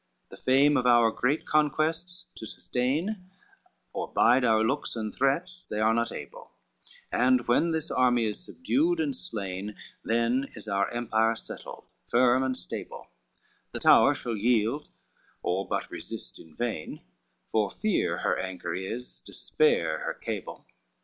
CXXXI "The fame of our great conquests to sustain, Or bide our looks and threats, they are not able, And when this army is subdued and slain Then is our empire settled, firm and stable, The tower shall yield, or but resist in vain, For fear her anchor is, despair her cable."